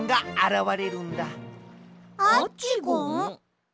アッチゴン？